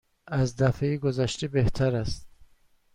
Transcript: از دفعه گذشته بهتر است.